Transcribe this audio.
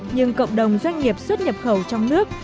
nhưng cộng đồng doanh nghiệp xuất nhập khẩu trong nước